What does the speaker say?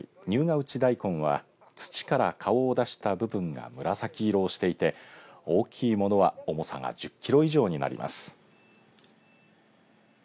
入河内大根は土から顔を出した部分が紫色をしていて大きいものは重さが１０キロ以上になります。